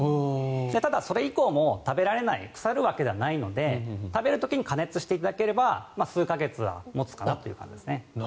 ただ、それ以降も食べられない腐るわけではないので食べる時に加熱していただければ数か月は持つかなという感じですね。